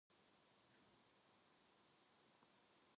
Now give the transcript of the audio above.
그리고 감독의 눈을 슬쩍 맞추고 눈을 스르르 감으며 웃었다.